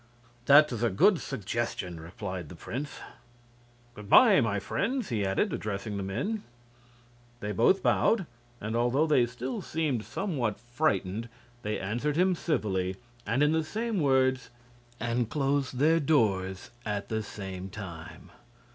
"That is a good suggestion," replied the prince. "Good by, my friends," he added, addressing the men. They both bowed, and although they still seemed somewhat frightened they answered him civilly and in the same words, and closed their doors at the same time.